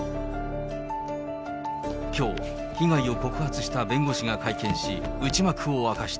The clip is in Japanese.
きょう、被害を告発した弁護士が会見し、内幕を明かした。